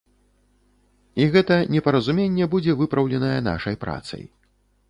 І гэта непаразуменне будзе выпраўленае нашай працай.